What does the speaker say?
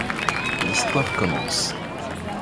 L'histoire commence...